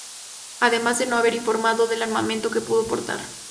Además de no haber información del armamento que pudo portar.